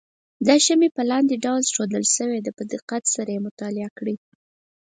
دا شمې په لاندې ډول ښودل شوې ده په دقت سره یې مطالعه کړئ.